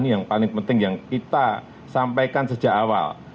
yang paling penting yang kita sampaikan sejak awal